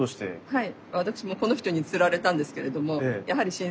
はい。